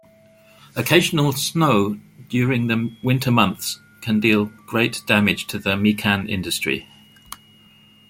Occasional snow during the winter months can deal great damage to the mikan industry.